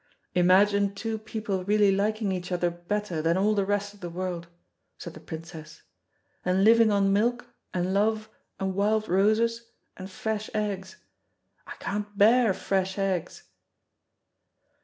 "Imagine two people really liking each other better than all the rest of the world," said the Princess, "and living on milk, and love, and wild roses, and fresh eggs! I can't bear fresh eggs."